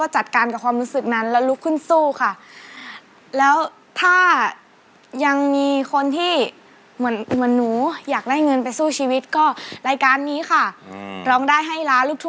จะใช้หรือไม่ใช้ครับ